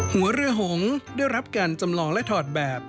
หัวเรือหงษ์ได้รับการจำลองและถอดแบบ